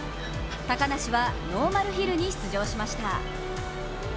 高梨はノーマルヒルに出場しました。